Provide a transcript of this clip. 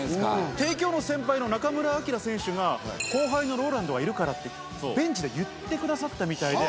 帝京の先輩の中村晃選手が、後輩のＲＯＬＡＮＤがいるからって、ベンチで言ってくださったみたいで。